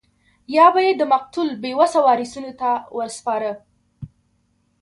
یا به یې د مقتول بې وسه وارثینو ته ورسپاره.